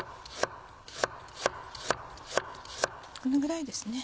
このぐらいですね。